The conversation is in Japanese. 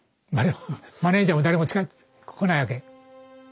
マネージャーも誰も来ないわけ。